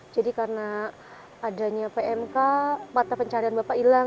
karena adanya pmk mata pencarian bapak hilang